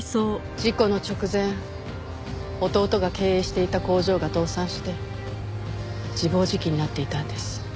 事故の直前弟が経営していた工場が倒産して自暴自棄になっていたんです。